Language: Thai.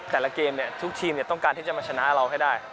แต่ละเกมทุกทีมต้องการที่จะมาชนะเราให้ได้